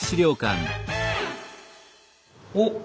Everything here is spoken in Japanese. おっ！